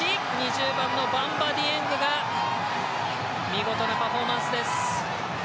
２０番のバンバ・ディエングが見事なパフォーマンスです。